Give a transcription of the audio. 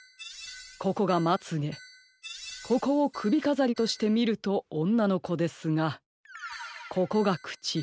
ここがまつげここをくびかざりとしてみるとおんなのこですがここがくち